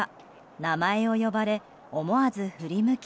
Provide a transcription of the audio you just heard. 名前を呼ばれ、思わず振り向き